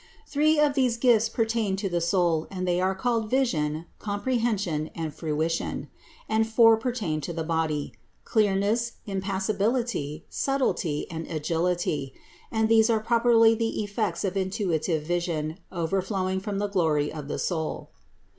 Three of these gifts pertain to the soul and they are called vision, comprehension and fruition; and four pertain to the body: clearness, impassibility, subtility THE INCARNATION 131 and agility, and these are properly the effects of intuitive vision overflowing from the glory of the soul.